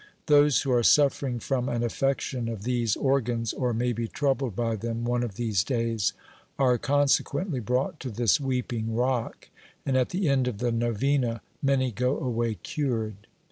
Those who are suffering from an affection of these organs, or may be troubled by them one of these days, are conse quently brought to this weeping rock, and at the end of the novena many go away cured.